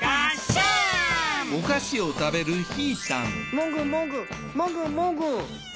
もぐもぐもぐもぐ。